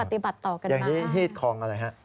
ที่ปฏิบัติต่อกันมากฮีดพร้ายครองอะไรครับ